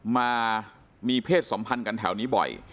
มามีเพศสัมพันธ์กันแถวนี้บ่อย